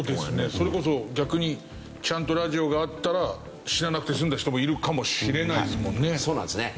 それこそ逆にちゃんとラジオがあったら死ななくて済んだ人もいるかもしれないですもんね。